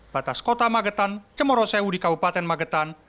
batas kota magetan cemoro sewu di kabupaten magetan